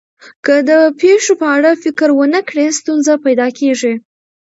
که د پېښو په اړه فکر ونه کړئ، ستونزه پیدا کېږي.